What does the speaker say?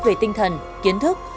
về tinh thần kiến thức